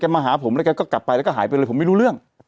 มาหาผมแล้วแกก็กลับไปแล้วก็หายไปเลยผมไม่รู้เรื่อง